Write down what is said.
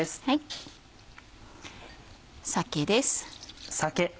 酒です。